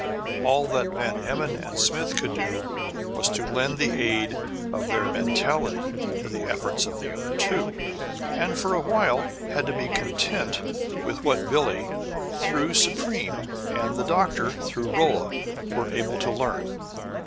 All that Van Emmon and Smith could do was lend the aid of their mentality to the efforts of the other two, and for a while had to be content with what Billie, through Supreme, and the doctor, through Rolla, were able to learn.